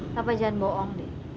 papa jangan bohong deh